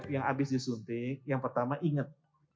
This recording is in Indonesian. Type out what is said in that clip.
yang habis disuntik yang pertama ingat